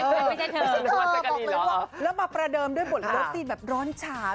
เธอบอกเลยว่าแล้วมาประเดิมด้วยบทรสตรีนแบบร้อนฉา